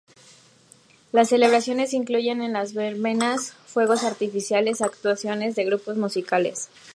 Las celebraciones incluyen en las verbenas fuegos artificiales, actuaciones de grupos musicales.